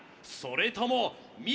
それともＭ！